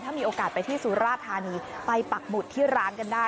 ถ้ามีโอกาสไปที่สุราธานีไปปักหมุดที่ร้านกันได้